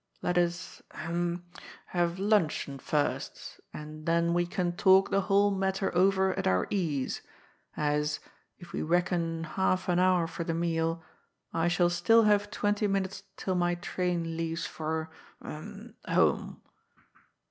Let us — ahem — ^have luncheon first, and then we can talk the whole matter over at our ease, as, if we reckon half an hour for the meal, I shall still haye twenty minutes till my train leaves for — ahem — ^home."